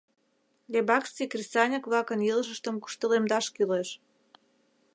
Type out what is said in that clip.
Лебакский кресаньык-влакын илышыштым куштылемдаш кӱлеш.